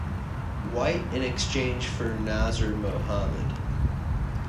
White in exchange for Nazr Mohammed.